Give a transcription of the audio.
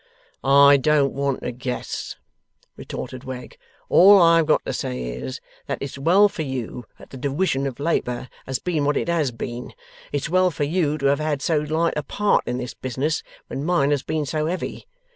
'I don't want to guess,' retorted Wegg. 'All I've got to say is, that it's well for you that the diwision of labour has been what it has been. It's well for you to have had so light a part in this business, when mine has been so heavy.